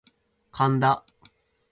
神田